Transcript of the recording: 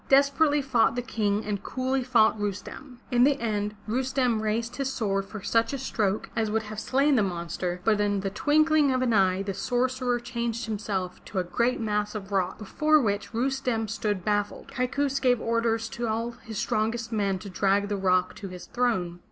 Desperately fought the King and coolly fought Rustem. In the end, Rustem raised his sword for such a stroke as would have slain the monster, but in the twinkling of an eye the sorcerer changed himself to a great mass of rock, before which Rustem stood baffled. Kaikous gave orders to his strongest men to drag the rock to his throne.